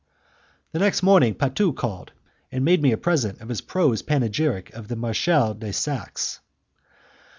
The next morning Patu called and made me a present of his prose panegyric on the Marechal de Saxe.